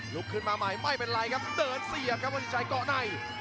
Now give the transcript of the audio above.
ลุกขึ้นมาใหม่ไม่เป็นไรครับเดินเสียบครับวันสินชัยเกาะใน